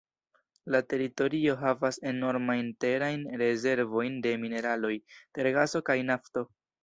La teritorio havas enormajn terajn rezervojn de mineraloj, tergaso kaj nafto.